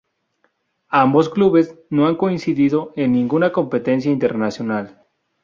Ambos clubes no han coincidido en ninguna competencia internacional.